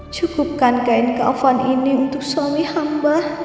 cukupkan kain kafan ini untuk suami hamba